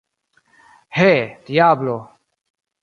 He, diablo!